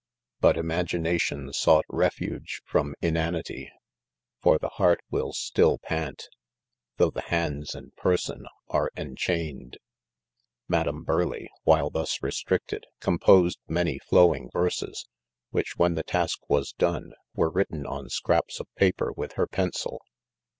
Bet imagination sought refuge from inani ty ; for the heart will still pant, though the hands and person are enchained. Madam Bur leigh, while thus restricted, composed many flowing verses, which when the task was done, were written on scraps of paper with her pen cil.